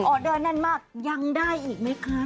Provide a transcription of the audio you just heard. อเดอร์แน่นมากยังได้อีกไหมคะ